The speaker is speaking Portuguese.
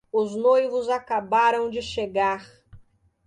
Os noivos acabaram de chegar